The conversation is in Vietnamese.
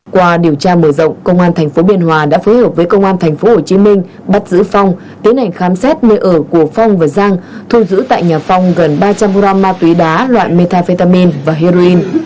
qua điều tra mở rộng công an thành phố biên hòa đã phối hợp với công an thành phố hồ chí minh bắt giữ phong tiến hành khám xét nơi ở của phong và giang thu giữ tại nhà phong gần ba trăm linh gram ma túy đá loại methamphetamine và heroin